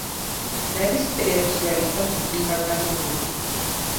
Nnali ssitegeera kye bayita mutimbagano nze.